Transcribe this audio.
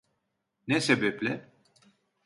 Ne sebeple?